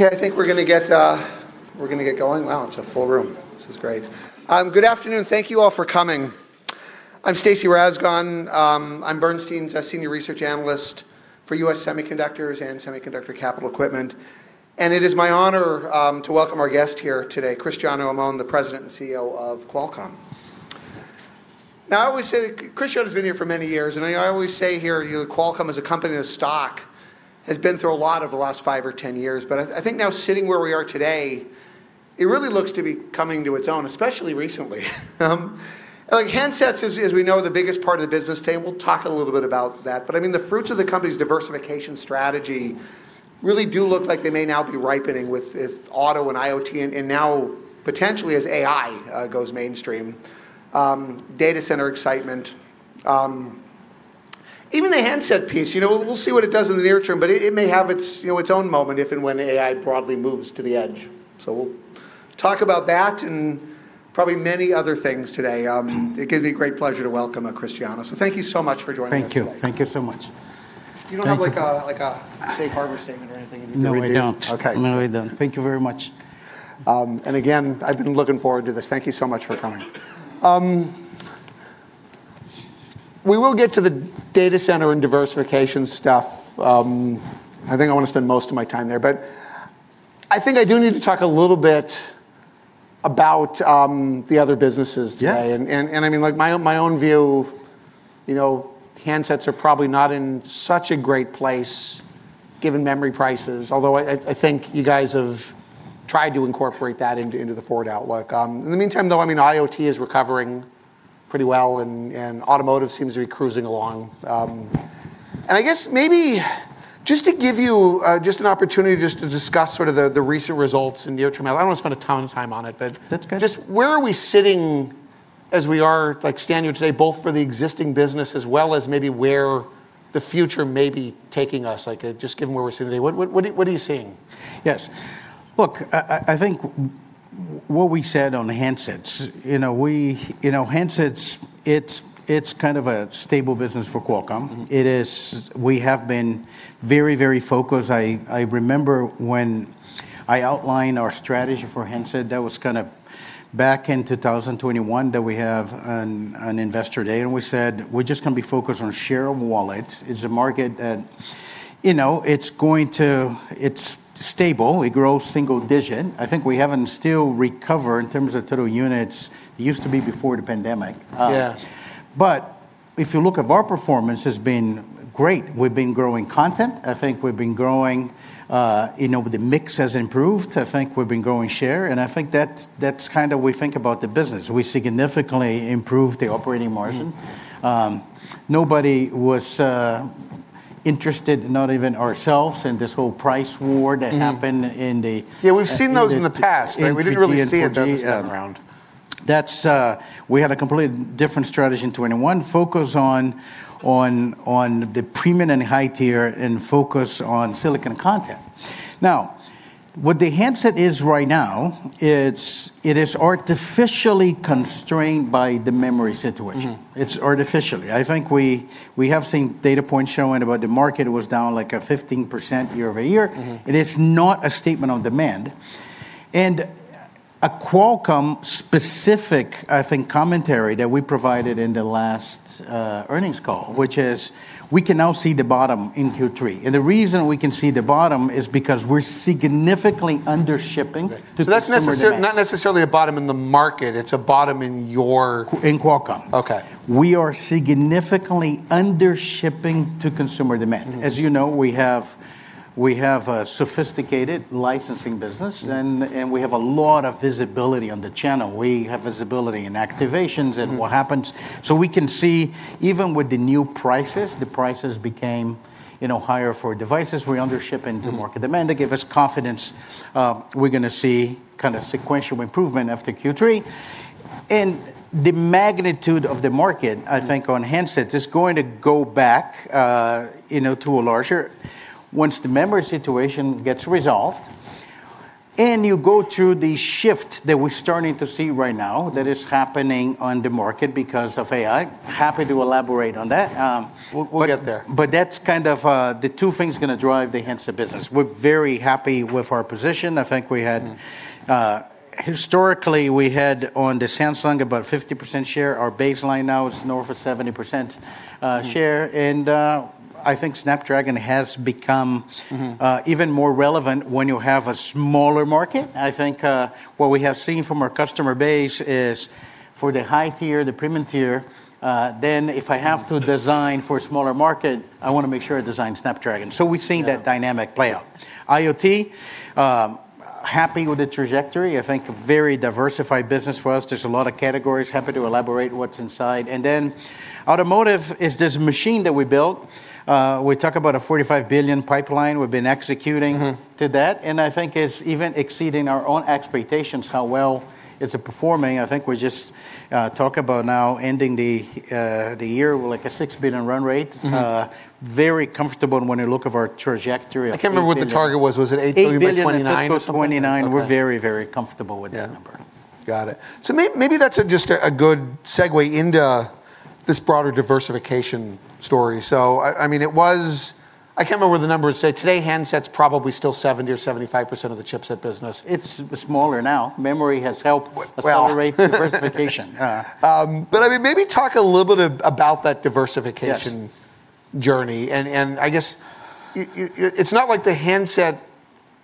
All right. Okay, I think we're going to get going. Wow, it's a full room. This is great. Good afternoon. Thank you all for coming. I'm Stacy Rasgon. I'm Bernstein's Senior Research Analyst for U.S. Semiconductors and Semiconductor for Capital Equipment. It is my honor to welcome our guest here today, Cristiano Amon, the President and CEO of Qualcomm. Cristiano's been here for many years. I always say here, Qualcomm as a company and a stock has been through a lot over the last five or 10 years. I think now sitting where we are today, it really looks to be coming to its own, especially recently. Like handsets is, as we know, the biggest part of the business today. We'll talk a little bit about that. The fruits of the company's diversification strategy really do look like they may now be ripening with auto and IoT, and now potentially as AI goes mainstream. Data center excitement. Even the handset piece, we'll see what it does in the near term, but it may have its own moment if and when AI broadly moves to the edge. We'll talk about that, and probably many other things today. It gives me great pleasure to welcome Cristiano. Thank you so much for joining us today. Thank you. Thank you so much. You don't have like a safe harbor statement or anything you need me to? No, we don't. Okay. No, we don't. Thank you very much. Again, I've been looking forward to this. Thank you so much for coming. We will get to the data center and diversification stuff. I think I want to spend most of my time there, but I think I do need to talk a little bit about the other businesses today. Yeah. My own view, handsets are probably not in such a great place given memory prices, although I think you guys have tried to incorporate that into the forward outlook. In the meantime though, IoT is recovering pretty well, and automotive seems to be cruising along. I guess maybe just to give you an opportunity just to discuss the recent results and near term. I don't want to spend a ton of time on it. That's good. Just where are we sitting as we are standing here today, both for the existing business as well as maybe where the future may be taking us, just given where we're sitting today? What are you seeing? Yes. Look, I think what we said on handsets. Handsets, it's kind of a stable business for Qualcomm. We have been very, very focused. I remember when I outlined our strategy for handsets, that was back in 2021 that we have an Investor Day, we said we're just going to be focused on share of wallet. It's a market that it's stable. It grows single digit. I think we haven't still recovered in terms of total units. It used to be before the pandemic. Yes. If you look at our performance, it's been great. We've been growing content. I think the we've been growing, the mix has improved. I think we've been growing share, and I think that's how we think about the business. We significantly improved the operating margin. Nobody was interested. Not even ourselves, in this whole price war that happened. Yeah, we've seen those in the past, but we didn't really see it this time around. That's, we had a completely different strategy in 2021, focus on the premium and high tier, and focus on silicon content. Now, what the handset is right now, it is artificially constrained by the memory situation. It's artificial. I think we have seen data points showing about the market was down like 15% year-over-year. It is not a statement of demand. A Qualcomm-specific, I think, commentary that we provided in the last earnings call, which is we can now see the bottom in Q3. The reason we can see the bottom is because we're significantly under-shipping to consumer demand. That's not necessarily a bottom in the market. It's a bottom in your? In Qualcomm. Okay. We are significantly under-shipping to consumer demand. As you know, we have a sophisticated licensing business. We have a lot of visibility on the channel. We have visibility in activations and what happens. We can see even with the new prices, the prices became higher for devices. We're under-shipping to market demand. They give us confidence we're going to see sequential improvement after Q3. The magnitude of the market, I think, on handsets is going to go back to a larger once the memory situation gets resolved, and you go through the shift that we're starting to see right now that is happening on the market because of AI. Happy to elaborate on that. We'll get there. That's kind of the two things going to drive the handset business. We're very happy with our position. I think historically, we had on the Samsung about 50% share. Our baseline now is north of 70% share. I think Snapdragon has become. Even more relevant when you have a smaller market. I think what we have seen from our customer base is for the high tier, the premium tier. If I have to design for a smaller market, I want to make sure I design Snapdragon. We've seen that dynamic play out. IoT, happy with the trajectory. I think a very diversified business for us. There's a lot of categories. Happy to elaborate what's inside. Automotive is this machine that we built. We talk about a $45 billion pipeline we've been executing to that, and I think it's even exceeding our own expectations how well it's performing. I think we just talk about now ending the year with a $6 billion run rate. Very comfortable in when you look of our trajectory of $8 billion. I can't remember what the target was. Was it $8 billion by 2029 or something like that? $8 billion by 2029. We're very comfortable with that number. Yeah. Got it. Maybe that's just a good segue into this broader diversification story. I mean it was? I can't remember what the number is. Today, handset's probably still 70%, 75% of the chipset business. It's smaller now. Memory has helped- Well.... accelerate diversification. Maybe talk a little bit about that diversification- Yes.... journey. I guess, it's not like the handset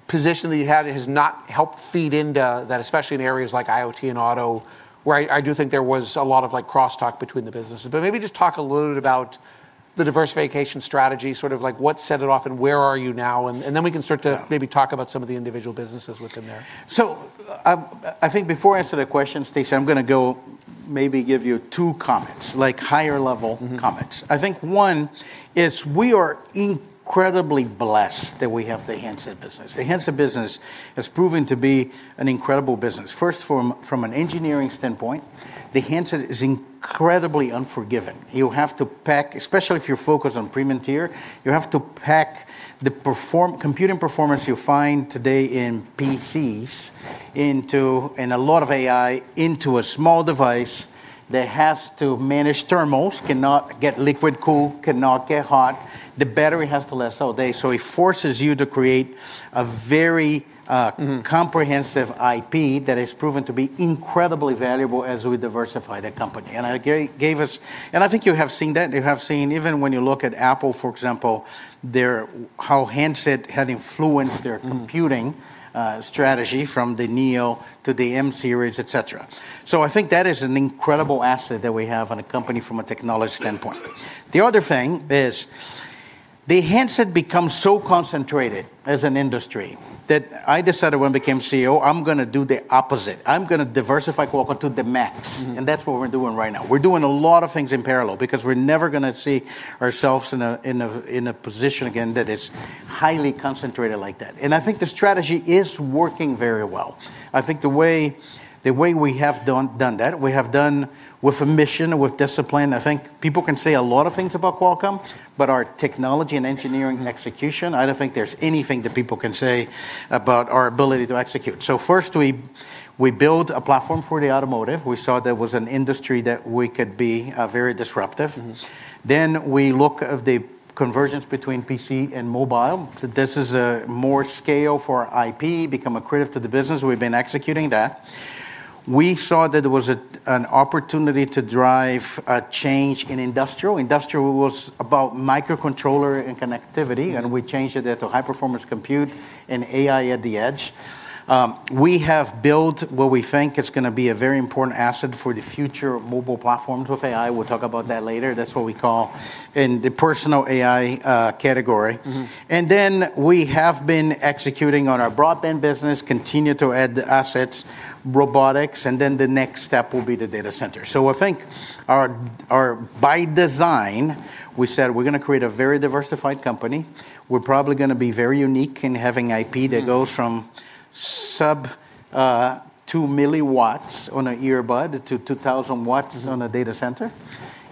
position that you had has not helped feed into that, especially in areas like IoT and auto, where I do think there was a lot of crosstalk between the businesses. Maybe just talk a little bit about the diversification strategy, what set it off and where are you now? Yeah. Maybe talk about some of the individual businesses within there? I think before I answer that question, Stacy, I'm going to go maybe give you two comments, higher level comments. I think one is we are incredibly blessed that we have the handset business. The handset business has proven to be an incredible business. First, from an engineering standpoint, the handset is incredibly unforgiving. You have to pack, especially if you're focused on premium tier. You have to pack the computing performance you find today in PCs, and a lot of AI, into a small device that has to manage thermals, cannot get liquid-cooled, cannot get hot. The battery has to last all day. It forces you to create a very comprehensive IP that has proven to be incredibly valuable as we diversify the company. I think you have seen that. You have seen, even when you look at Apple, for example, how handset had influenced their computing strategy from the Neo to the M series, et cetera. I think that is an incredible asset that we have in a company from a technology standpoint. The other thing is the handset becomes so concentrated as an industry that I decided when I became CEO, I'm going to do the opposite. I'm going to diversify Qualcomm to the max. That's what we're doing right now. We're doing a lot of things in parallel because we're never going to see ourselves in a position again that is highly concentrated like that. I think the strategy is working very well. I think the way we have done that. We have done with a mission, with discipline. I think people can say a lot of things about Qualcomm, but our technology and engineering execution, I don't think there's anything that people can say about our ability to execute. First, we build a platform for the automotive. We saw there was an industry that we could be very disruptive. We look at the convergence between PC and mobile. This is more scale for IP, become accretive to the business. We've been executing that. We saw that there was an opportunity to drive a change in industrial. Industrial was about microcontroller and connectivity. We changed it into high-performance compute and AI at the edge. We have built what we think is going to be a very important asset for the future of mobile platforms with AI. We'll talk about that later. That's what we call in the personal AI category. We have been executing on our broadband business, continue to add assets, robotics. The next step will be the data center. I think by design, we said we're going to create a very diversified company. We're probably going to be very unique in having IP that goes from sub-2 mW on an earbud to 2,000 W on a data center.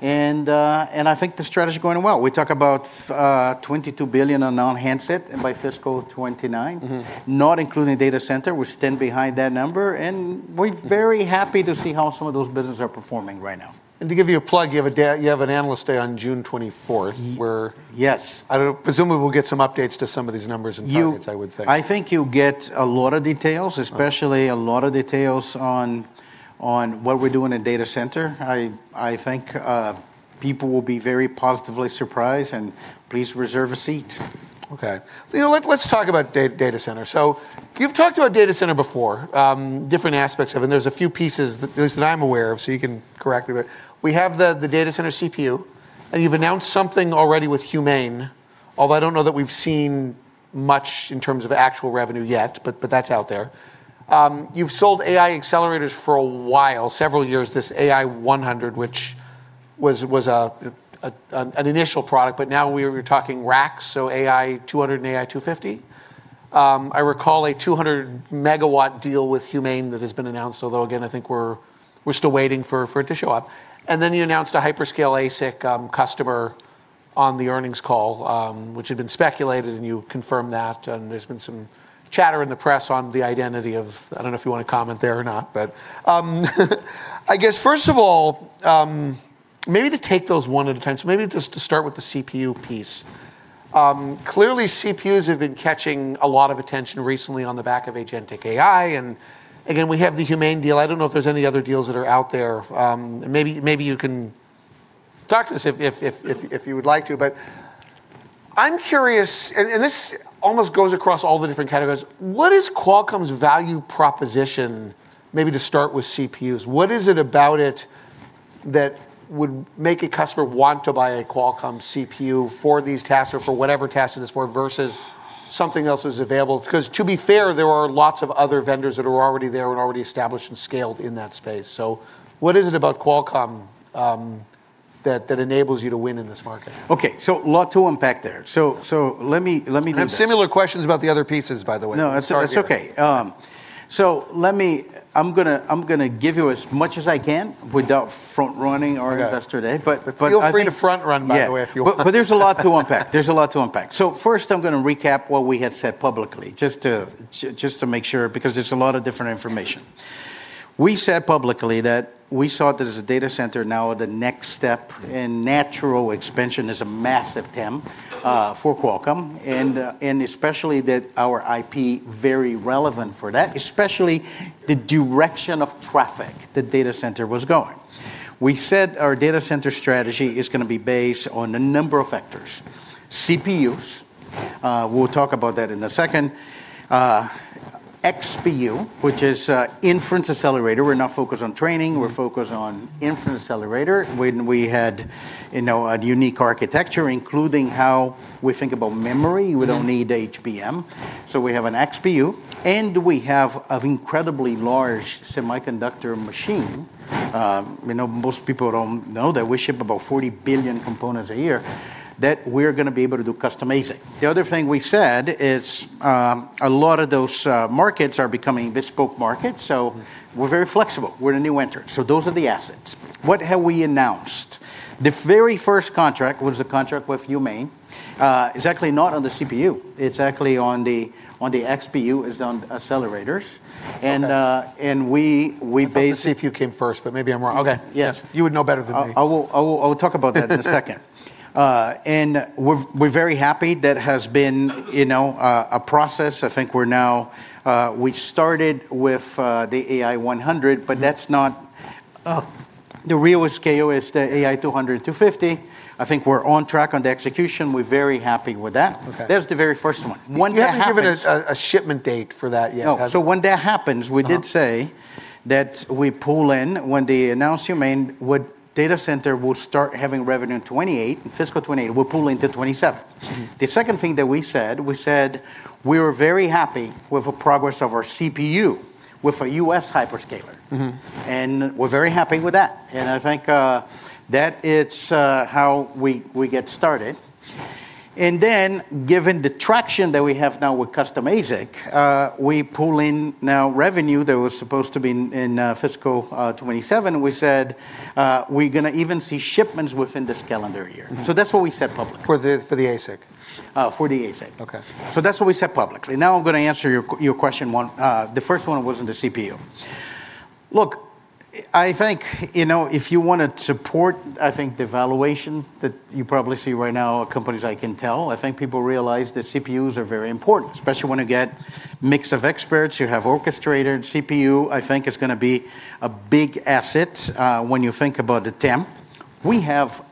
I think the strategy is going well. We talk about $22 billion on non-handset and by fiscal 2029. Not including data center. We stand behind that number, and we're very happy to see how some of those businesses are performing right now. To give you a plug, you have an Analyst Day on June 24th. Yes. I don't know, presumably we'll get some updates to some of these numbers and targets, I would think. I think you'll get a lot of details, especially a lot of details on what we're doing in data center. I think people will be very positively surprised. Please reserve a seat. Okay. Let's talk about data center. You've talked about data center before, different aspects of it. There's a few pieces at least that I'm aware of, so you can correct me. We have the data center CPU, and you've announced something already with HUMAIN, although I don't know that we've seen much in terms of actual revenue yet, but that's out there. You've sold AI accelerators for a while, several years. This AI 100, which was an initial product, but now we're talking racks, so AI200 and AI250. I recall a 200-MW deal with HUMAIN that has been announced, although again, I think we're still waiting for it to show up. You announced a hyperscale ASIC customer on the earnings call, which had been speculated, and you confirmed that. There's been some chatter in the press on the identity of, I don't know if you want to comment there, or not. I guess first of all, maybe to take those one at a time. Maybe just to start with the CPU piece. Clearly, CPUs have been catching a lot of attention recently on the back of agentic AI. We have the HUMAIN deal. I don't know if there's any other deals that are out there. Maybe you can talk to this if you would like to? I'm curious, and this almost goes across all the different categories. What is Qualcomm's value proposition, maybe to start with CPUs? What is it about it that would make a customer want to buy a Qualcomm CPU for these tasks or for whatever task it is for, versus something else is available? To be fair, there are lots of other vendors that are already there, and already established and scaled in that space. What is it about Qualcomm that enables you to win in this market? Okay. A lot to unpack there. Let me do this. I have similar questions about the other pieces, by the way. Sorry. No, it's okay. I'm going to give you as much as I can without front-running our Investor Day. Feel free to front-run, by the way, if you want. There's a lot to unpack. First, I'm going to recap what we had said publicly just to make sure, because there's a lot of different information. We said publicly that we saw that as a data center now the next step in natural expansion is a massive TAM for Qualcomm, and especially that our IP very relevant for that, especially the direction of traffic the data center was going. We said our data center strategy is going to be based on a number of factors. CPUs, we'll talk about that in a second. XPU, which is inference accelerator. We're not focused on training, we're focused on inference accelerator. When we had a unique architecture, including how we think about memory, we don't need HBM, so we have an XPU. We have an incredibly large semiconductor machine. Most people don't know that we ship about 40 billion components a year, that we're going to be able to do custom ASIC. The other thing we said is a lot of those markets are becoming bespoke markets, so we're very flexible. We're the new enterer. Those are the assets. What have we announced? The very first contract was a contract with HUMAIN. It's actually not on the CPU. It's actually on the XPU, is on accelerators. Okay. And we ba- I thought the CPU came first, but maybe I'm wrong. Okay. Yes. You would know better than me. I will talk about that in a second. We're very happy. That has been a process. I think we started with the AI 100, but the real [SKU] is the AI200, 250. I think we're on track on the execution. We're very happy with that. Okay. There's the very first one. You haven't given a shipment date for that yet, have you? No. When that happens, we did say that we pull in, when they announce HUMAIN, data center will start having revenue in fiscal 2028. We're pulling to 2027. The second thing that we said, we said we are very happy with the progress of our CPU with a U.S. hyperscaler. We're very happy with that. I think that it's how we get started. Given the traction that we have now with custom ASIC, we pull in now revenue that was supposed to be in fiscal 2027. We said, we're going to even see shipments within this calendar year. That's what we said publicly. For the ASIC? For the ASIC. Okay. That's what we said publicly. Now I'm going to answer your question one. The first one wasn't a CPU. I think if you want to support, I think the valuation that you probably see right now of companies like Intel, I think people realize that CPUs are very important. Especially when you get mix of experts, you have orchestrator and CPU. I think it's going to be a big asset when you think about the TAM. We have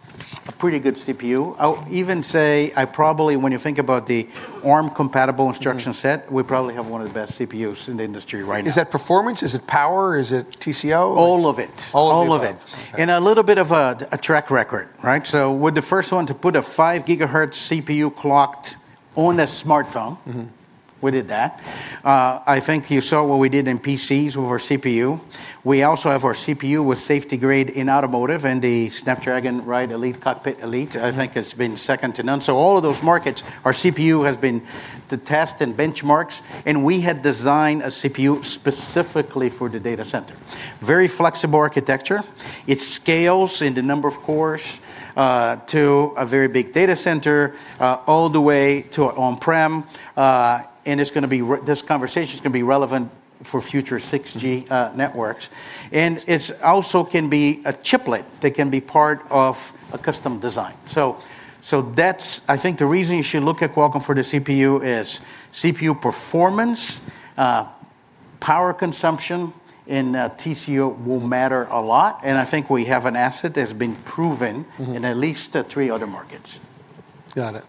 a pretty good CPU. I will even say, probably when you think about the ARM-compatible instruction set, we probably have one of the best CPUs in the industry right now. Is that performance? Is it power? Is it TCO? All of it. All of the above. All of it. Okay. A little bit of a track record, right? We're the first one to put a 5 GHz CPU clocked on a smartphone. We did that. I think you saw what we did in PCs with our CPU. We also have our CPU with safety grade in automotive and the Snapdragon Ride Elite, Cockpit Elite. I think it's been second to none. All of those markets, our CPU has been the test in benchmarks, and we had designed a CPU specifically for the data center. Very flexible architecture. It scales in the number of cores to a very big data center, all the way to on-prem. This conversation's going to be relevant for future 6G networks. It also can be a chiplet that can be part of a custom design. I think the reason you should look at Qualcomm for the CPU is CPU performance, power consumption, and TCO will matter a lot. I think we have an asset that's been proven in at least three other markets. Got it.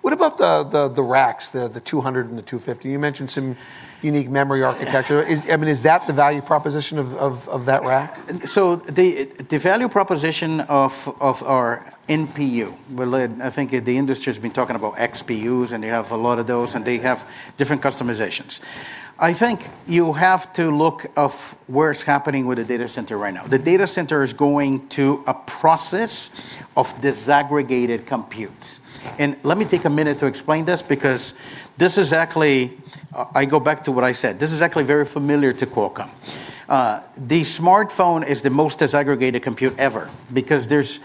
What about the racks, the 200 and the 250? You mentioned some unique memory architecture. I mean, is that the value proposition of that rack? The value proposition of our NPU. Well, I think the industry's been talking about XPUs, and they have a lot of those. They have different customizations. I think you have to look of where it's happening with the data center right now. The data center is going to a process of disaggregated compute. Let me take a minute to explain this because this is actually, I go back to what I said. This is actually very familiar to Qualcomm. The smartphone is the most disaggregated compute ever because there's...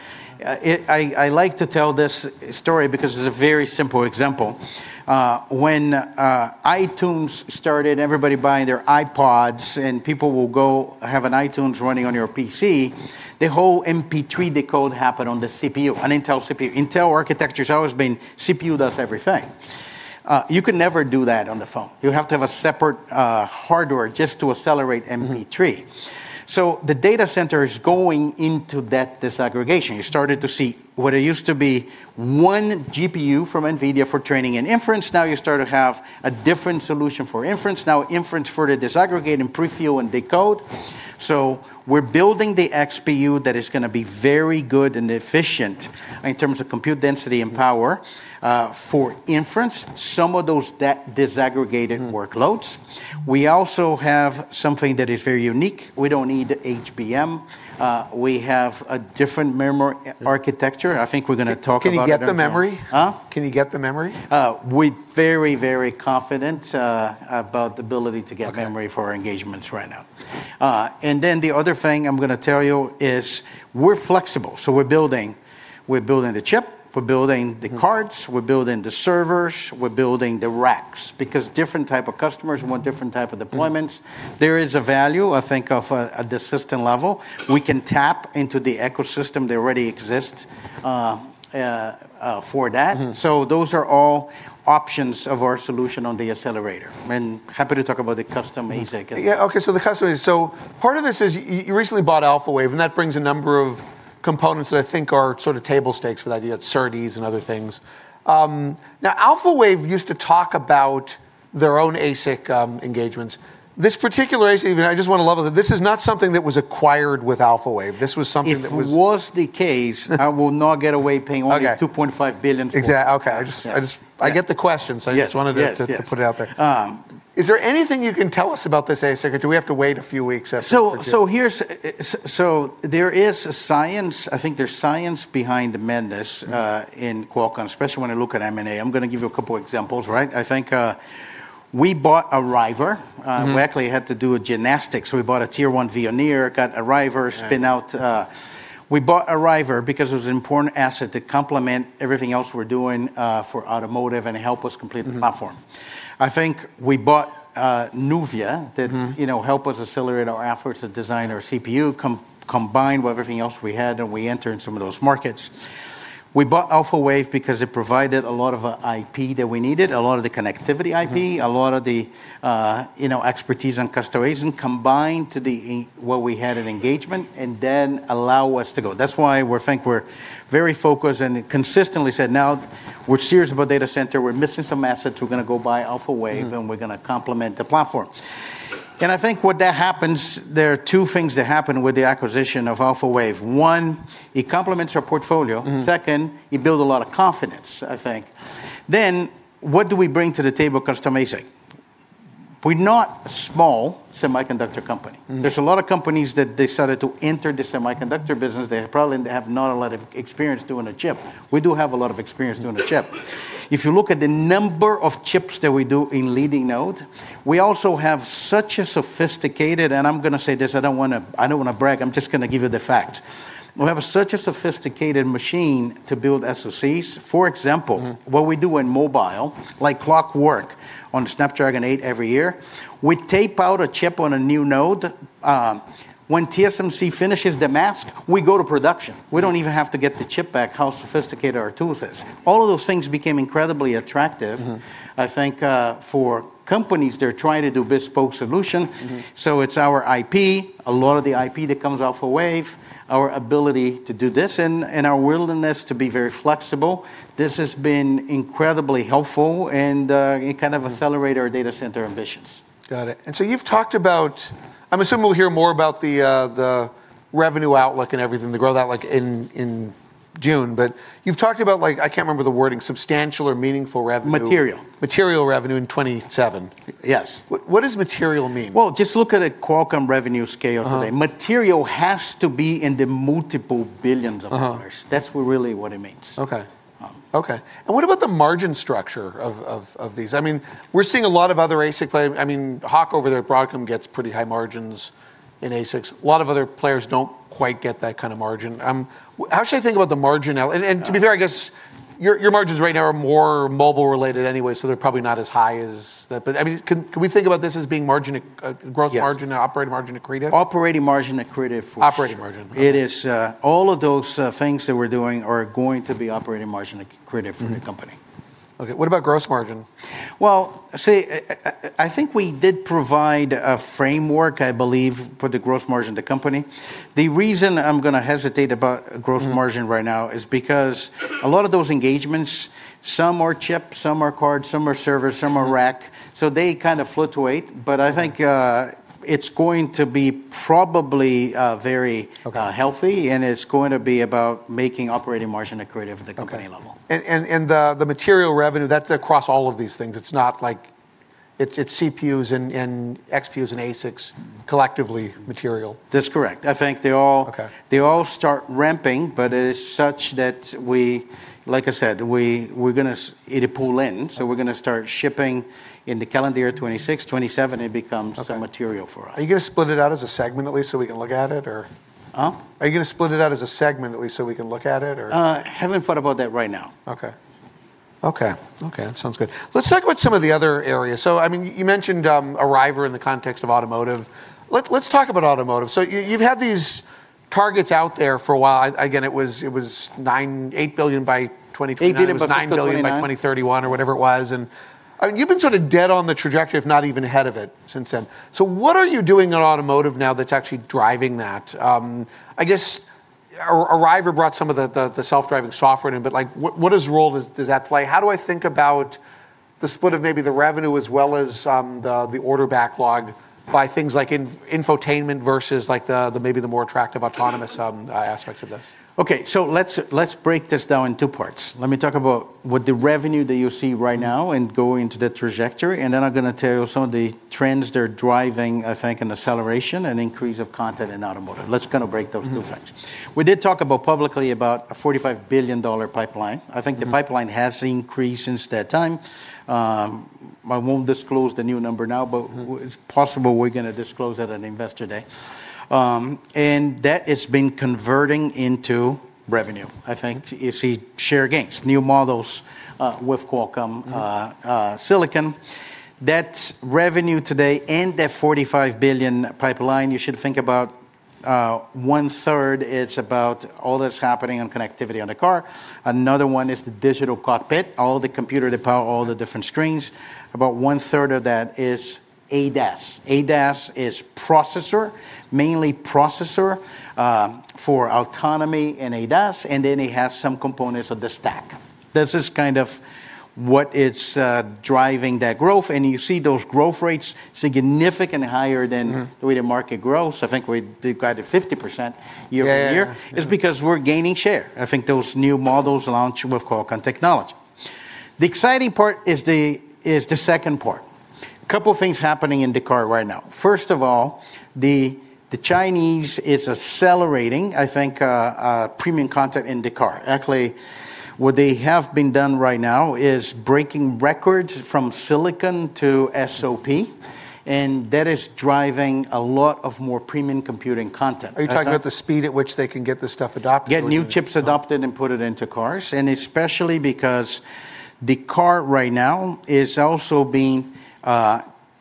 I like to tell this story because it's a very simple example. When iTunes started, everybody buying their iPods. People will go have an iTunes running on your PC, the whole MP3 decode happened on the CPU, an Intel CPU. Intel architecture's always been CPU does everything. You can never do that on the phone. You have to have a separate hardware just to accelerate MP3. The data center is going into that disaggregation. You're starting to see what it used to be one GPU from NVIDIA for training and inference. Now, you start to have a different solution for inference, now inference for the disaggregate and prefill and decode. We're building the XPU that is going to be very good and efficient in terms of compute density and power for inference, some of those disaggregated workloads. We also have something that is very unique. We don't need HBM. We have a different memory architecture. I think we're going to talk about it at some. Can you get the memory? Huh? Can you get the memory? We're very confident about the ability to get memory for our engagements right now. The other thing I'm going to tell you is we're flexible. We're building the chip. We're building the cards. We're building the servers. We're building the racks, because different type of customers want different type of deployments. There is a value, I think, of the system level. We can tap into the ecosystem that already exists for that. Those are all options of our solution on the accelerator. Happy to talk about the custom ASIC. Yeah. Okay. The custom ASIC. Part of this is you recently bought Alphawave, and that brings a number of components, that I think are sort of table stakes for that. You got SerDes and other things. Alphawave used to talk about their own ASIC engagements. This particular ASIC, I just want to level with you, this is not something that was acquired with Alphawave. This was something- If it was the case, I will not get away paying only- Okay.... $2.5 billion for it. Okay. I get the question. Yes. So I just wanted to- Yes.... to put it out there. Is there anything you can tell us about this ASIC, or do we have to wait a few weeks after? There is a science. I think there's science behind the madness. In Qualcomm, especially when you look at M&A. I'm going to give you a couple of examples, right? I think we bought Arriver. We actually had to do a gymnastic. We bought a Tier 1 Veoneer, got Arriver- Right.... spin out. We bought Arriver because it was an important asset to complement everything else we're doing for automotive and help us complete the platform. I think we bought NUVIA. Help us accelerate our efforts to design our CPU, combined with everything else we had, we enter in some of those markets. We bought Alphawave because it provided a lot of IP that we needed, a lot of the connectivity IP. A lot of the expertise in customization combined to the what we had in engagement, and then allow us to go. That's why we think we're very focused and consistently said, "Now we're serious about data center. We're missing some assets. We're going to go buy Alphawave. We're going to complement the platform." I think what that happens, there are two things that happen with the acquisition of Alphawave. One, it complements our portfolio. Second, it build a lot of confidence, I think. What do we bring to the table custom ASIC? We're not a small semiconductor company. There's a lot of companies that decided to enter the semiconductor business. They probably have not a lot of experience doing a chip. We do have a lot of experience doing a chip. If you look at the number of chips that we do in leading node, we also have such a sophisticated, and I'm going to say this, I don't want to brag. I'm just going to give you the fact. We have such a sophisticated machine to build SoCs. For example. What we do in mobile, like clockwork, on Snapdragon 8 every year. We tape out a chip on a new node. When TSMC finishes the mask, we go to production. We don't even have to get the chip back, how sophisticated our tools is. All of those things became incredibly attractive. I think for companies that are trying to do bespoke solution. It's our IP, a lot of the IP that comes off Alphawave, our ability to do this, and our willingness to be very flexible. This has been incredibly helpful and it kind of accelerate our data center ambitions. Got it. You've talked about, I'm assuming we'll hear more about the revenue outlook and everything. The growth outlook in June. You've talked about, I can't remember the wording, substantial or meaningful revenue- Material.... material revenue in 2027. Yes. What does material mean? Well, just look at a Qualcomm revenue scale today. Material has to be in the multiple billions of dollars. That's really what it means. Okay. Okay. What about the margin structure of these? We're seeing a lot of other ASIC [claim]... Hock over there at Broadcom gets pretty high margins in ASICs. A lot of other players don't quite get that kind of margin. How should I think about the margin now? To be fair, I guess your margins right now are more mobile related anyway, so they're probably not as high as that. Can we think about this as being margin, growth margin- Yes.... operating margin accretive? Operating margin accretive for- Operating margin. Okay. It is all of those things that we're doing are going to be operating margin accretive for the company. Okay. What about gross margin? Well. See. I think we did provide a framework, I believe, for the gross margin of the company. The reason I'm going to hesitate about gross margin right now is because a lot of those engagements, some are chip, some are card, some are server, some are rack, so they kind of fluctuate. Okay. I think, it's going to be probably very healthy, and it's going to be about making operating margin accretive at the company level. Okay. The material revenue, that's across all of these things. It's not like it's CPUs and XPUs and ASICs collectively material? That's correct. Okay. They all start ramping. But it is such that we, like I said, we're going to eat a pull-in. We're going to start shipping in the calendar year 2026, 2027, it becomes- Okay.... the material for us. Are you going to split it out as a segment at least so we can look at it, or? Huh? Are you going to split it out as a segment at least so we can look at it, or? Haven't thought about that right now. Okay. Okay. That sounds good. Let's talk about some of the other areas. You mentioned Arriver in the context of automotive. Let's talk about automotive. You've had these targets out there for a while. Again, it was $8 billion by 2029. $8 billion by 2029. It was $9 billion by 2031 or whatever it was. You've been sort of dead on the trajectory, if not even ahead of it since then. What are you doing on automotive now that's actually driving that? I guess Arriver brought some of the self-driving software in. What role does that play? How do I think about the split of maybe the revenue as well as the order backlog by things like infotainment versus maybe the more attractive autonomous aspects of this? Okay. Let's break this down in two parts. Let me talk about what the revenue that you see right now and go into the trajectory. I'm going to tell you some of the trends that are driving, I think, an acceleration and increase of content in automotive. Let's kind of break those two factors. We did talk about publicly about a $45 billion pipeline. I think the pipeline has increased since that time. I won't disclose the new number now. It's possible we're going to disclose at an Investor Day. That has been converting into revenue. I think you see share gains, new models, with Qualcomm silicon. That revenue today and that $45 billion pipeline, you should think about 1/3 is about all that's happening on connectivity on the car. Another one is the digital cockpit, all the computer that power all the different screens. About 1/3 of that is ADAS. ADAS is processor, mainly processor, for autonomy in ADAS. Then, it has some components of the stack. This is kind of what is driving that growth. You see those growth rates significantly higher than. The way the market grows. I think we've got to 50% year-over-year. Yeah. It's because we're gaining share. I think those new models launch with Qualcomm technology. The exciting part is the second part. A couple of things happening in the car right now. First of all, the Chinese is accelerating, I think, premium content in the car. Actually, what they have been done right now is breaking records from silicon to SOP, and that is driving a lot of more premium computing content. Are you talking about the speed at which they can get this stuff adopted or? Get new chips adopted and put it into cars, especially because the car right now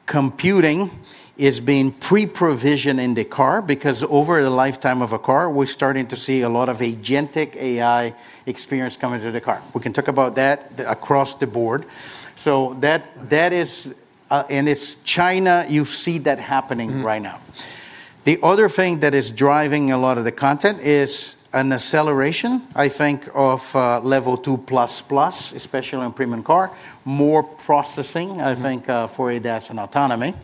computing is being pre-provisioned in the car because over the lifetime of a car, we're starting to see a lot of agentic AI experience come into the car. We can talk about that across the board. It's China, you see that happening right now. The other thing that is driving a lot of the content is an acceleration, I think, of Level 2++, especially in premium car. More processing, I think, for ADAS and autonomy.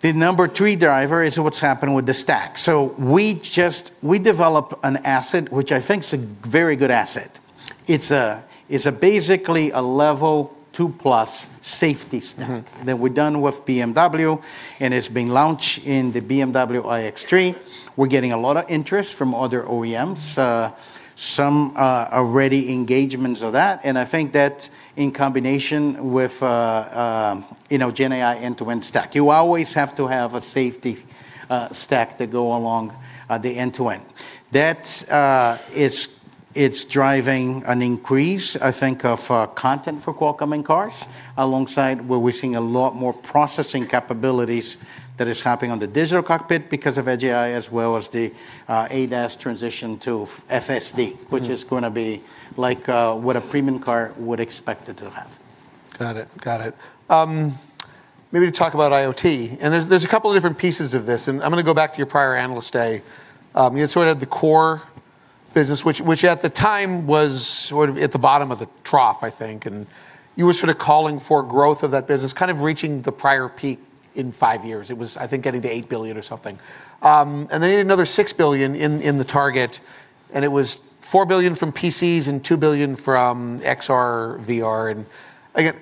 The number 3 driver is what's happening with the stack. We developed an asset, which I think is a very good asset. It's basically a Level 2+ safety stack. That we've done with BMW, and it's being launched in the BMW iX3. We're getting a lot of interest from other OEMs. Some already engagements of that, and I think that in combination with gen AI end-to-end stack. You always have to have a safety stack to go along the end-to-end. That is driving an increase, I think, of content for Qualcomm in cars, alongside where we're seeing a lot more processing capabilities that is happening on the digital cockpit because of AGI as well as the ADAS transition to FSD, which is going to be like what a premium car would expect it to have. Got it. Maybe talk about IoT. There's a couple of different pieces of this, I'm going to go back to your prior Analyst Day. You had sort of the core business, which at the time was sort of at the bottom of the trough, I think. You were sort of calling for growth of that business, kind of reaching the prior peak in five years. It was, I think, getting to $8 billion or something. They needed another $6 billion in the target. It was $4 billion from PCs, and $2 billion from XR, VR. Again,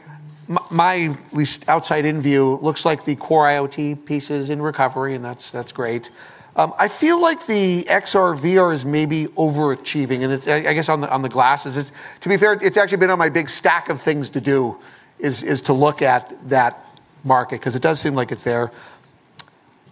my least outside-in view looks like the core IoT piece is in recovery, and that's great. I feel like the XR, VR is maybe overachieving. It's I guess on the glasses. To be fair, it's actually been on my big stack of things to do is to look at that market, because it does seem like it's there.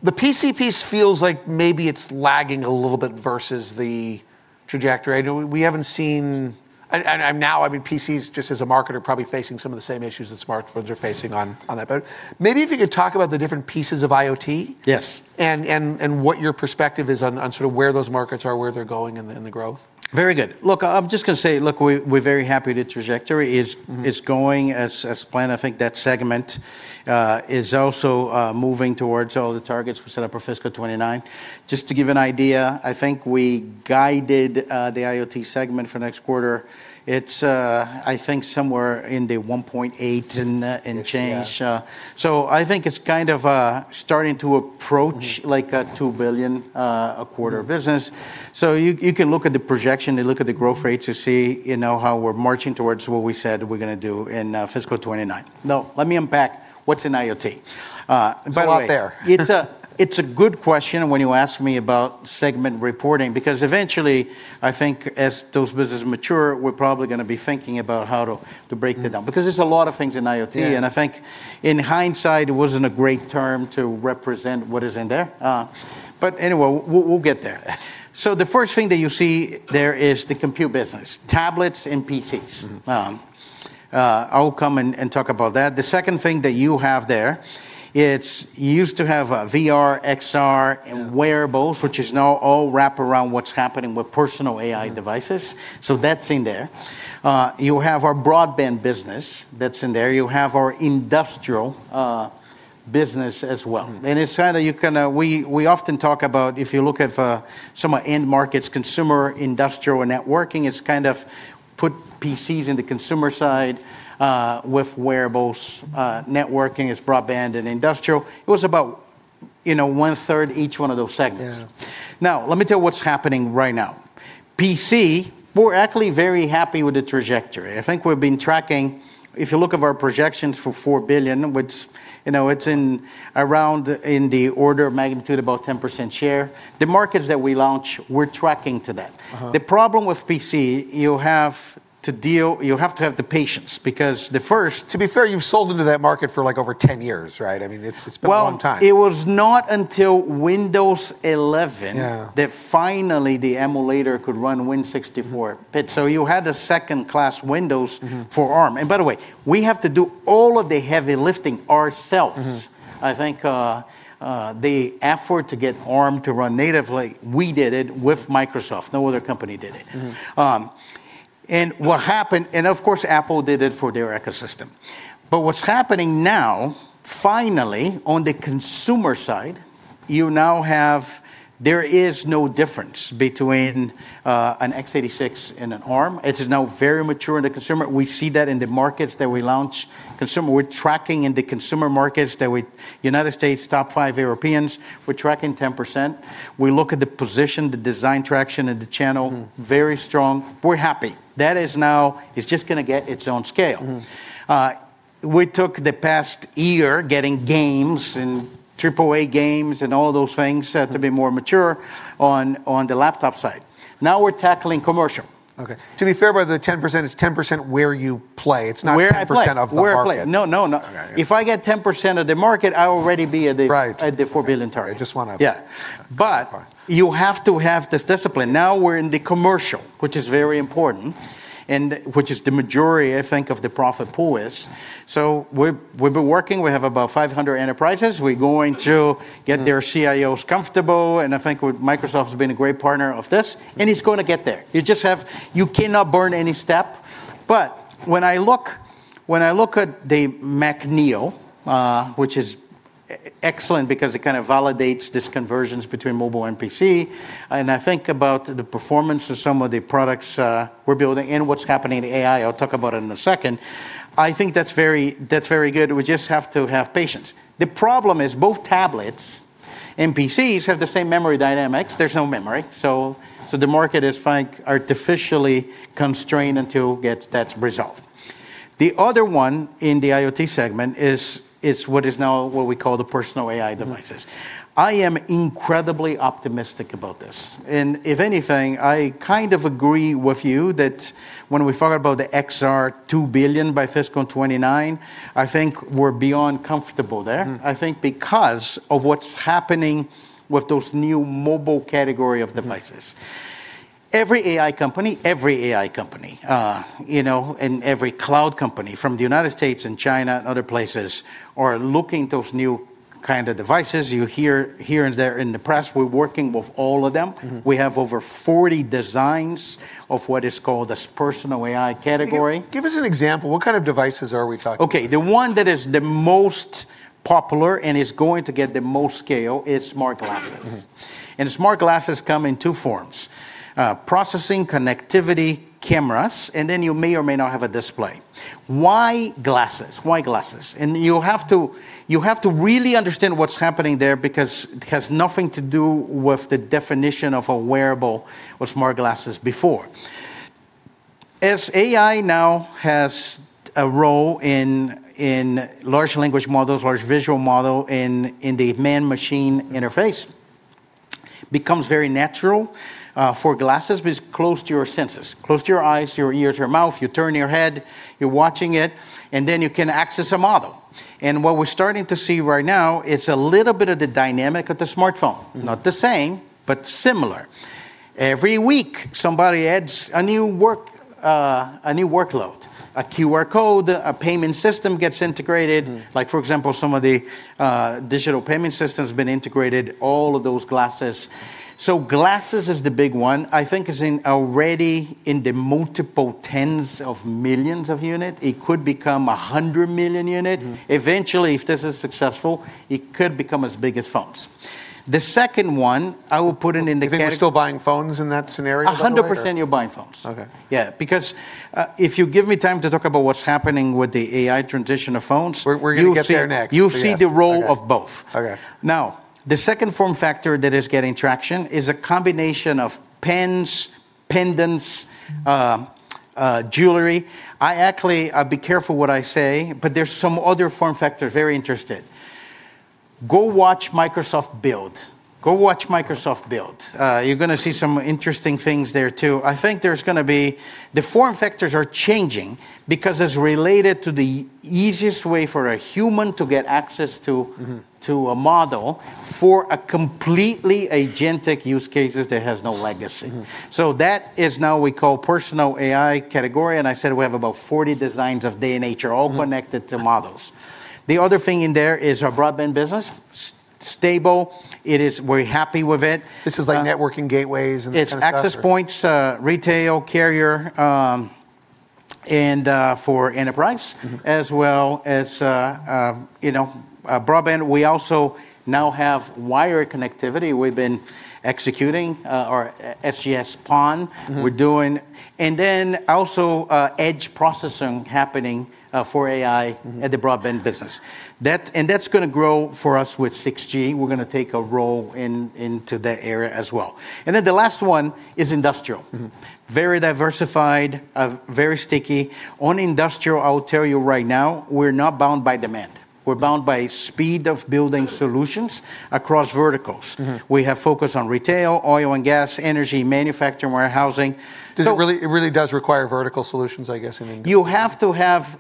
The PC piece feels like maybe it's lagging a little bit versus the trajectory. I know we haven't seen, and now, PCs just as a market are probably facing some of the same issues that smartphones are facing on that. Maybe if you could talk about the different pieces of IoT? Yes. What your perspective is on sort of where those markets are, where they're going, and their growth? Very good. Look, I'm just going to say, look, we're very happy that trajectory is going as planned. I think that segment is also moving towards all the targets we set up for fiscal 2029. Just to give an idea, I think we guided the IoT segment for next quarter. It's, I think, somewhere in the $1.8 billion and change. Yeah. I think it's kind of starting to approach like a $2 billion a quarter business. You can look at the projection, then look at the growth rate to see how we're marching towards what we said we're going to do in fiscal 2029. Now, let me unpack what's in IoT. It's a lot there. It's a good question when you ask me about segment reporting. Because eventually, I think as those businesses mature, we're probably going to be thinking about how to break that down. There's a lot of things in IoT. Yeah. I think in hindsight, it wasn't a great term to represent what is in there. Anyway, we'll get there. The first thing that you see there is the compute business, tablets and PCs. I will come and talk about that. The second thing that you have there, you used to have VR, XR, and wearables, which is now all wrapped around what's happening with personal AI devices. That's in there. You have our broadband business, that's in there. You have our industrial business as well. It's kind of, we often talk about if you look at some end markets, consumer, industrial, and networking, it's kind of put PCs in the consumer side with wearables. Networking is broadband and industrial. It was about 1/3 each one of those segments. Yeah. Let me tell you what's happening right now. PC, we're actually very happy with the trajectory. I think we've been tracking, if you look at our projections for $4 billion, which it's in around in the order of magnitude about 10% share. The markets that we launch, we're tracking to that. The problem with PC, you have to have the patience because the first- To be fair, you've sold into that market for over 10 years, right? I mean, it's been a long time. Well, it was not until Windows 11- Yeah.... that finally the emulator could run Win 64-bit. You had a second-class Windows for ARM. By the way, we have to do all of the heavy lifting ourselves. I think the effort to get ARM to run natively, we did it with Microsoft. No other company did it. What happened, and of course, Apple did it for their ecosystem. What's happening now, finally, on the consumer side, there is no difference between an x86 and an ARM. It is now very mature in the consumer. We see that in the markets that we launch consumer. We're tracking in the consumer markets. United States, top five Europeans, we're tracking 10%. We look at the position, the design traction, and the channel, very strong. We're happy. That is now, it's just going to get its own scale. We took the past year getting games and AAA games and all those things to be more mature on the laptop side. Now we're tackling commercial. Okay. To be fair, by the 10%, it's 10% where you play. It's not 10% of the market? Where I play. No. Okay. If I get 10% of the market, I already be- Right.... at the $4 billion target. I just want to. Yeah. You have to have this discipline. Now we're in the commercial, which is very important, and which is the majority, I think, of the profit pool is. We've been working. We have about 500 enterprises. We're going to get their CIOs comfortable. I think Microsoft has been a great partner of this. It's going to get there. You cannot burn any step. When I look at the Mac Neo, which is excellent because it kind of validates these conversions between mobile and PC, and I think about the performance of some of the products we're building and what's happening in AI, I'll talk about it in a second. I think that's very good. We just have to have patience. The problem is both tablets and PCs have the same memory dynamics. There's no memory. The market is artificially constrained until that's resolved. The other one in the IoT segment is what is now what we call the personal AI devices. I am incredibly optimistic about this. If anything, I kind of agree with you that when we talk about the XR $2 billion by fiscal 2029, I think we're beyond comfortable there. I think because of what's happening with those new mobile category of devices. Every AI company, and every cloud company from the United States and China and other places are looking at those new kind of devices. You hear here and there in the press, we're working with all of them. We have over 40 designs of what is called this personal AI category. Give us an example. What kind of devices are we talking? Okay, the one that is the most popular and is going to get the most scale is smart glasses. Smart glasses come in two forms: processing connectivity cameras, then you may or may not have a display. Why glasses? Why glasses? You have to really understand what's happening there because it has nothing to do with the definition of a wearable or smart glasses before. As AI now has a role in large language models, large visual model in the man-machine interface becomes very natural for glasses because it's close to your senses. Close to your eyes, your ears, your mouth. You turn your head, you're watching it. Then, you can access a model. What we're starting to see right now, it's a little bit of the dynamic of the smartphone. Not the same, but similar. Every week, somebody adds a new workload, a QR code, a payment system gets integrated. Like for example, some of the digital payment systems have been integrated, all of those glasses. Glasses is the big one. I think it's already in the multiple tens of millions of units. It could become 100 million units. Eventually, if this is successful, it could become as big as phones. The second one, I will put it in the category. Do you think we're still buying phones in that scenario though or no? 100%, you're buying phones. Okay. Yeah. If you give me time to talk about what's happening with the AI transition of phones- We're going to get there next.... you'll see the role of both. Okay. The second form factor that is getting traction is a combination of pens, pendants, jewelry. I actually, be careful what I say, but there's some other form factor, very interested. Go watch Microsoft Build. Go watch Microsoft Build. You're going to see some interesting things there, too. I think there's gonna be... The form factors are changing because as related to the easiest way for a human to get access to. To a model for a completely agentic use cases that has no legacy. That is now we call personal AI category, and I said we have about 40 designs of [NPU], all connected to models. The other thing in there is our broadband business, stable. We're happy with it. This is like networking gateways and that kind of stuff? It's access points, retail, carrier, and for enterprise, as well as broadband. We also now have wire connectivity. We've been executing our XGS-PON. Also, edge processing happening for AI at the broadband business. That's going to grow for us with 6G. We're going to take a role into that area as well. The last one is industrial. Very diversified, very sticky. On industrial, I will tell you right now, we're not bound by demand. We're bound by speed of building solutions across verticals. We have focused on retail, oil and gas, energy, manufacturing, warehousing. It really does require vertical solutions, I guess, in industrial. You have to have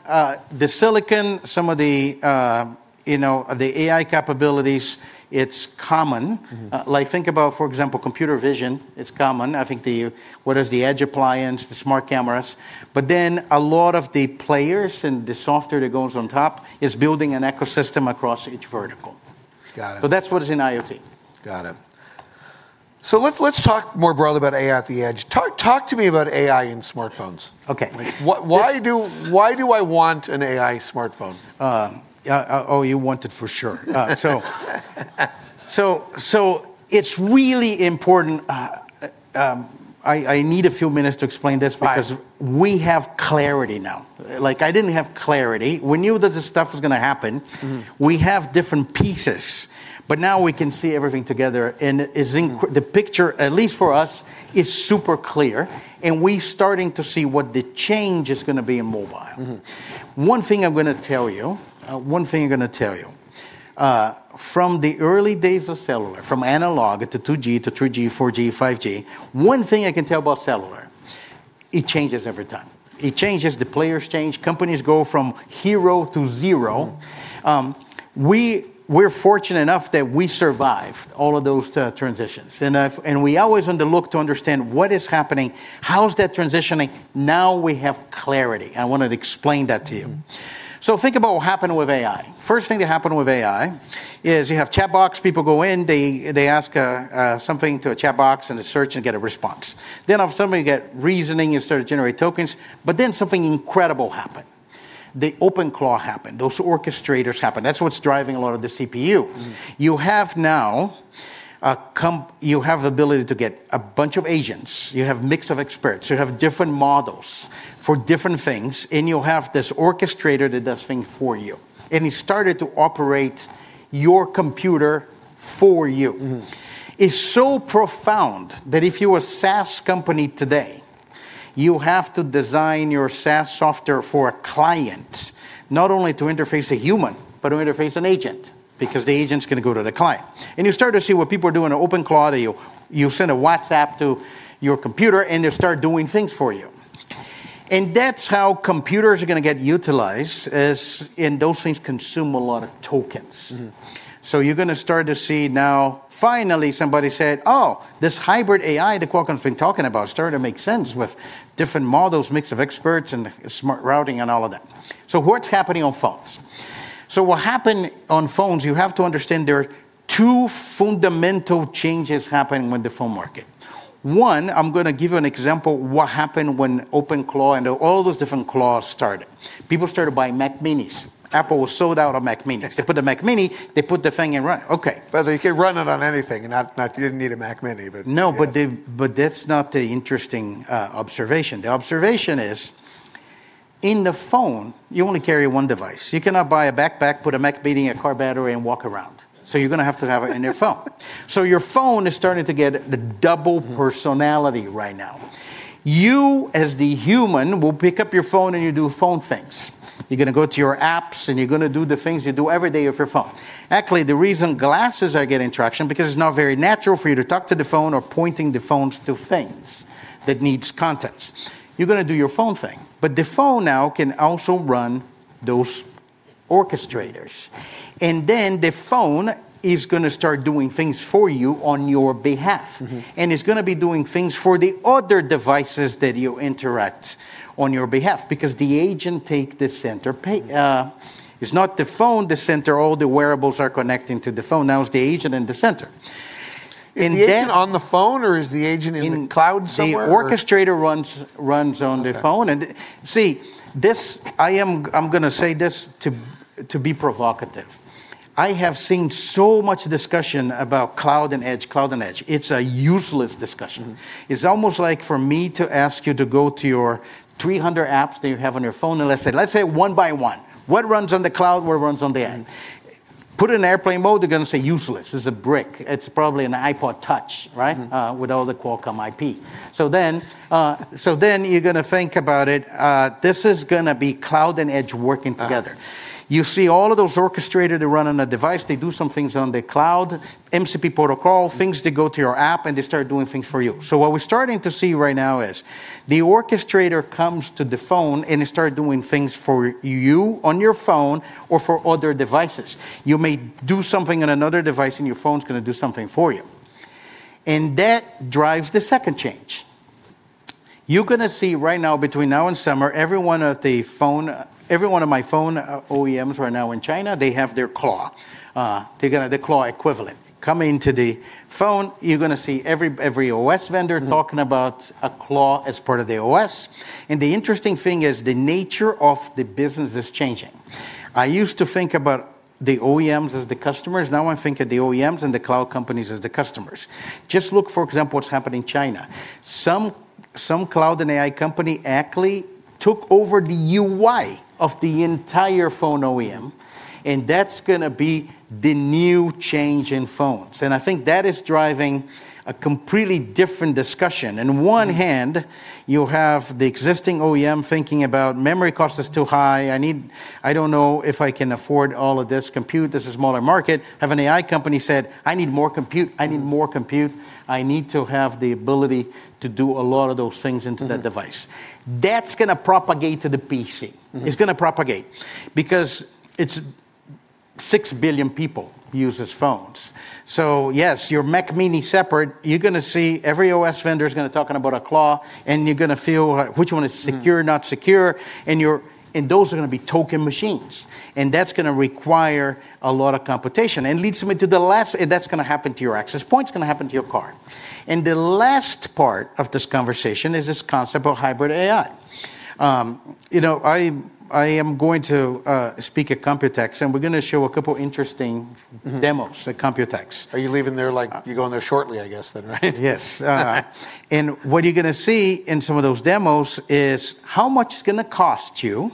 the silicon, some of the AI capabilities, it's common. Think about, for example, Computer Vision is common. I think whether it's the edge appliance, the smart cameras, but then a lot of the players and the software that goes on top is building an ecosystem across each vertical. Got it. That's what is in IoT. Got it. Let's talk more broadly about AI at the edge. Talk to me about AI in smartphones. Okay. Why do I want an AI smartphone? Oh, you want it for sure. It's really important. I need a few minutes to explain this- Right.... because we have clarity now. I didn't have clarity. We knew that this stuff was going to happen. We have different pieces. Now we can see everything together. The picture, at least for us, is super clear, and we're starting to see what the change is going to be in mobile. One thing I'm going to tell you. From the early days of cellular, from analog to 2G to 3G, 4G, 5G, one thing I can tell about cellular, it changes every time. It changes, the players change, companies go from hero to zero. We're fortunate enough that we survived all of those transitions. We always on the look to understand what is happening? How is that transitioning? Now we have clarity, and I want to explain that to you. Think about what happened with AI. First thing that happened with AI is you have chat box. People go in. They ask something to a chat box and a search and get a response. All of a sudden we get reasoning and start to generate tokens. Something incredible happened. The OpenClaw happened. Those orchestrators happened. That's what's driving a lot of the CPU. You have the ability to get a bunch of agents. You have mix of experts. You have different models for different things, and you have this orchestrator that does things for you. It started to operate your computer for you. It's so profound that if you're a SaaS company today, you have to design your SaaS software for a client. Not only to interface a human, but to interface an agent, because the agent's going to go to the client. You start to see what people are doing in OpenClaw, you send a WhatsApp to your computer, and it start doing things for you. That's how computers are going to get utilized, and those things consume a lot of tokens. You're going to start to see now, finally, somebody said, "Oh, this hybrid AI that Qualcomm's been talking about is starting to make sense with different models, mix of experts, and smart routing and all of that." What's happening on phones? What happen on phones, you have to understand there are two fundamental changes happening with the phone market. One, I'm going to give you an example what happened when OpenClaw and all those different OpenClaw started. People started buying Mac minis. Apple was sold out of Mac minis. They put the Mac mini, they put the thing and run. Okay. They could run it on anything, you didn't need a Mac Mini. No, that's not the interesting observation. The observation is in the phone, you only carry one device. You cannot buy a backpack, put a Mac mini in a car battery and walk around. You're going to have to have it in your phone. Your phone is starting to get the double personality right now. You, as the human, will pick up your phone and you do phone things. You're going to go to your apps, and you're going to do the things you do every day with your phone. Actually, the reason glasses are getting traction, because it's not very natural for you to talk to the phone or pointing the phones to things that needs context. You're going to do your phone thing. The phone now can also run those orchestrators. The phone is going to start doing things for you on your behalf. It's going to be doing things for the other devices that you interact on your behalf, because the agent take the center. It's not the phone the center, all the wearables are connecting to the phone, now it's the agent in the center. Is the agent on the phone or is the agent in the cloud somewhere or? The orchestrator runs on the phone. Okay. See, I'm going to say this to be provocative. I have seen so much discussion about cloud and edge, cloud and edge. It's a useless discussion. It's almost like for me to ask you to go to your 300 apps that you have on your phone. Let's say one by one, what runs on the cloud, what runs on the end? Right. Put it in airplane mode, they're going to say useless. It's a brick. It's probably an iPod touch, right? With all the Qualcomm IP. You're going to think about it. This is going to be cloud and edge working together. You see all of those orchestrator that run on a device. They do some things on the cloud, MCP protocol, things that go to your app, and they start doing things for you. What we're starting to see right now is the orchestrator comes to the phone, and it start doing things for you on your phone or for other devices. You may do something on another device, and your phone's going to do something for you. That drives the second change. You're going to see right now between now and summer, every one of my phone OEMs right now in China, they have their Claw equivalent coming to the phone. You're going to see every OS vendor talking about a Claw as part of the OS. The interesting thing is the nature of the business is changing. I used to think about the OEMs as the customers. Now I think of the OEMs and the cloud companies as the customers. Just look, for example, what's happened in China. Some cloud and AI company actually took over the UI of the entire phone OEM, and that's going to be the new change in phones. I think that is driving a completely different discussion. In one hand, you have the existing OEM thinking about memory cost is too high. I don't know if I can afford all of this compute. This is smaller market. Have an AI company said, "I need more compute. I need more compute. I need to have the ability to do a lot of those things into that device." That's going to propagate to the PC. It's going to propagate, because it's 6 billion people use these phones. Yes, your Mac mini separate, you're going to see every OS vendor's going to talking about a Claw. You're going to feel which one is secure, not secure, and those are going to be token machines. That's going to require a lot of computation, and leads me to the last. That's going to happen to your access points, going to happen to your car. The last part of this conversation is this concept of hybrid AI. I am going to speak at COMPUTEX, and we're going to show a couple interesting demos at COMPUTEX. Are you leaving there, like you're going there shortly, I guess then, right? Yes. What you're going to see in some of those demos is how much it's going to cost you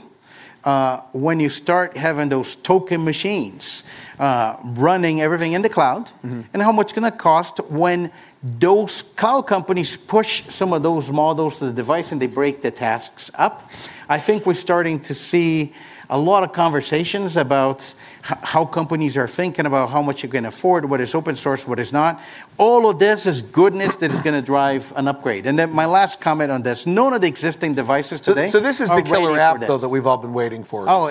when you start having those token machines running everything in the cloud? And, how much it's going to cost when those cloud companies push some of those models to the device, and they break the tasks up? I think we're starting to see a lot of conversations about how companies are thinking about how much you can afford? What is open source, what is not? All of this is goodness that is going to drive an upgrade. My last comment on this, none of the existing devices today. This is the killer app, though, that we've all been waiting for? Oh,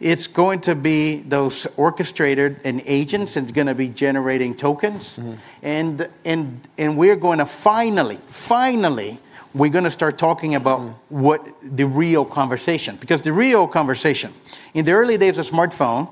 it's going to be those orchestrator and agents, it's going to be generating tokens. We're going to finally start talking about what the real conversation. In the early days of smartphone,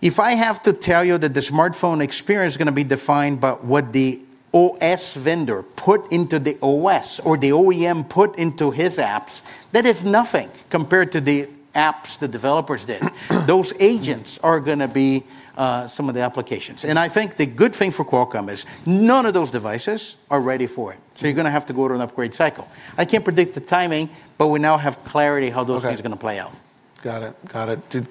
if I have to tell you that the smartphone experience is going to be defined by what the OS vendor put into the OS, or the OEM put into his apps, that is nothing compared to the apps the developers did. Those agents are going to be some of the applications. I think the good thing for Qualcomm is none of those devices are ready for it. You're going to have to go to an upgrade cycle. I can't predict the timing, but we now have clarity how those things- Okay.... are going to play out. Got it. Got it.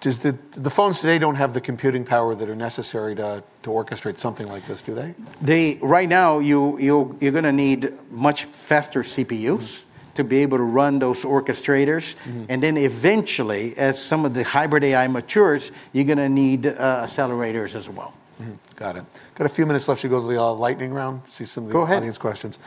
The phones today don't have the computing power that are necessary to orchestrate something like this, do they? Right now, you're going to need much faster CPUs to be able to run those orchestrators. Eventually, as some of the hybrid AI matures, you're going to need accelerators as well. Got it. Got a few minutes left. Should we go to the lightning round? Go ahead. See some audience questions.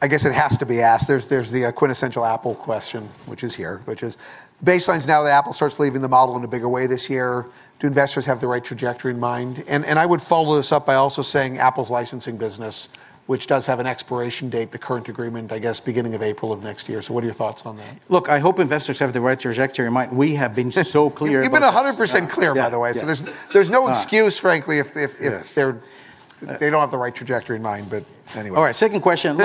I guess it has to be asked. There's the quintessential Apple question, which is here, which is: baseline's now that Apple starts leaving the modem in a bigger way this year. Do investors have the right trajectory in mind? I would follow this up by also saying Apple's licensing business, which does have an expiration date, the current agreement, I guess, beginning of April of next year. What are your thoughts on that? Look, I hope investors have the right trajectory in mind. We have been so clear about this. You've been 100% clear, by the way. Yeah. There's no excuse, frankly- Yes.... if they don't have the right trajectory in mind, but anyway. All right, second question.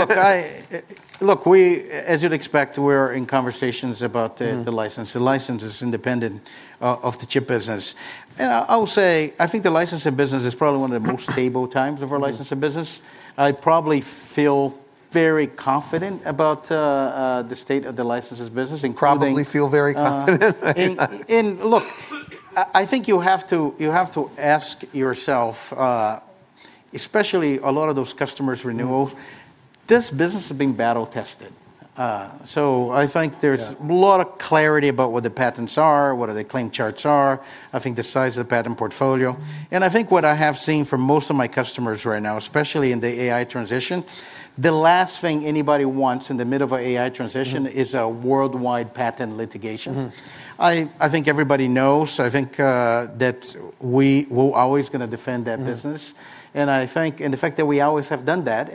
Look, as you'd expect, we're in conversations about the license. The license is independent of the chip business. I will say, I think the licensing business is probably one of the most stable times of our licensing business. I probably feel very confident about the state of the licenses business. You probably feel very confident. Look, I think you have to ask yourself, especially a lot of those customers renewals, this business has been battle tested. Yeah. There's a lot of clarity about what the patents are, what do the claim charts are, I think the size of the patent portfolio. I think what I have seen from most of my customers right now, especially in the AI transition, the last thing anybody wants in the middle of an AI transition is a worldwide patent litigation. I think everybody knows. I think that we're always going to defend that business. The fact that we always have done that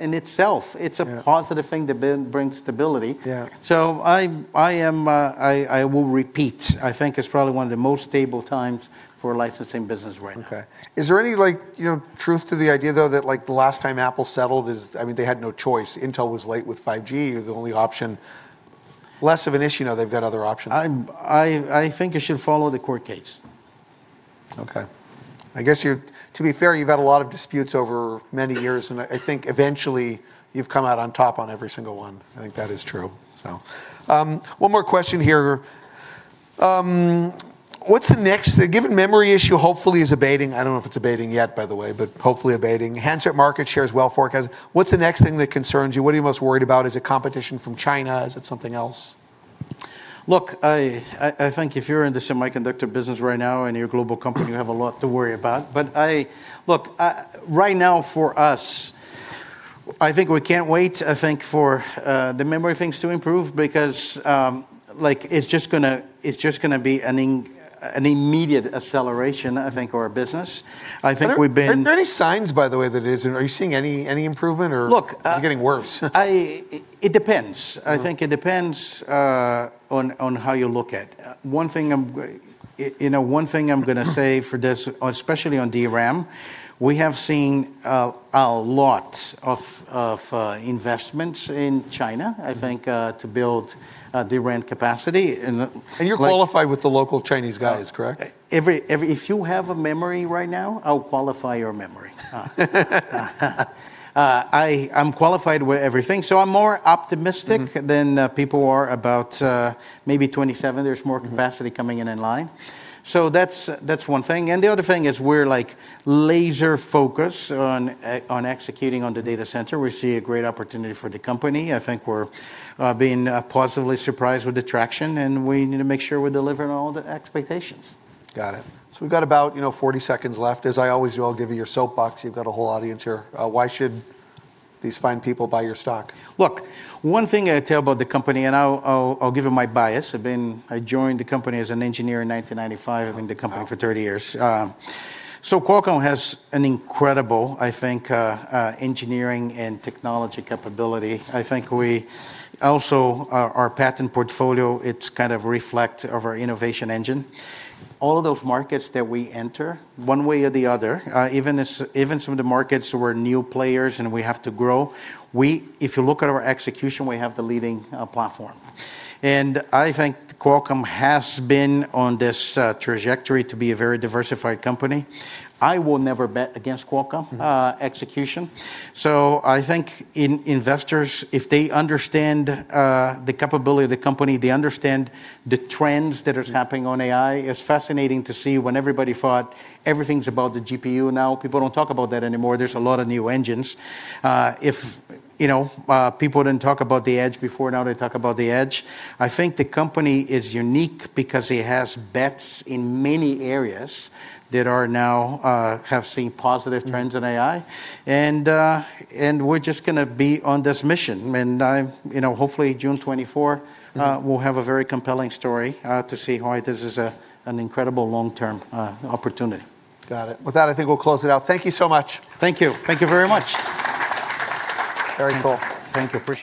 in itself, it's a positive thing that brings stability. Yeah. I will repeat. I think it's probably one of the most stable times for licensing business right now. Okay. Is there any truth to the idea, though, that the last time Apple settled, I mean, they had no choice. Intel was late with 5G. You're the only option. Less of an issue now they've got other options. I think you should follow the court case. Okay. I guess you, to be fair, you've had a lot of disputes over many years, and I think eventually you've come out on top on every single one. I think that is true, so. One more question here. The given memory issue hopefully is abating. I don't know if it's abating yet, by the way, but hopefully abating. Handset market share is well forecasted. What's the next thing that concerns you? What are you most worried about? Is it competition from China? Is it something else? Look, I think if you're in the semiconductor business right now and you're a global company, you have a lot to worry about. Look, right now for us, I think we can't wait, I think, for the memory of things to improve because it's just going to be an immediate acceleration, I think, for our business. Are there any signs, by the way, that it is? Are you seeing any improvement or- Look-... is it getting worse? It depends. I think it depends on how you look at. One thing I'm going to say for this, especially on DRAM, we have seen a lot of investments in China, I think, to build DRAM capacity. You're qualified with the local Chinese guys, correct? If you have a memory right now, I'll qualify your memory. I'm qualified with everything, so I'm more optimistic than people are about maybe 2027. There's more capacity coming in in line. That's one thing, and the other thing is we're laser focused on executing on the data center. We see a great opportunity for the company. I think we're being positively surprised with the traction, and we need to make sure we're delivering all the expectations. Got it. We've got about 40 seconds left. As I always do, I'll give you your soapbox. You've got a whole audience here. Why should these fine people buy your stock? Look, one thing I tell about the company, and I'll give you my bias. I joined the company as an engineer in 1995. Oh, wow. I've been in the company for 30 years. Qualcomm has an incredible, I think, engineering and technology capability. I think we also, our patent portfolio, it kind of reflect of our innovation engine. All those markets that we enter, one way or the other, even some of the markets who are new players and we have to grow. If you look at our execution, we have the leading platform. I think Qualcomm has been on this trajectory to be a very diversified company. I will never bet against Qualcomm execution. I think investors, if they understand the capability of the company, they understand the trends that is happening on AI. It's fascinating to see when everybody thought everything's about the GPU. Now people don't talk about that anymore. There's a lot of new engines. If people didn't talk about the edge before, now they talk about the edge. I think the company is unique because it has bets in many areas that are now have seen positive trends in AI. We're just going to be on this mission. Hopefully June 24, we'll have a very compelling story to see why this is an incredible long-term opportunity. Got it. With that, I think we'll close it out. Thank you so much. Thank you. Thank you very much. Very cool. Thank you. Appreciate it.